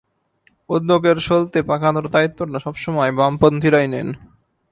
উদ্যোগের সলতে পাকানোর দায়িত্বটা সব সময় বামপন্থীরাই নেন।